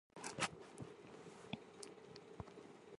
托旺达镇区为位在美国堪萨斯州巴特勒县的镇区。